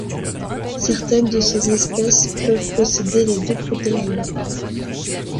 Certaines de ces espèces peuvent posséder les deux protéines.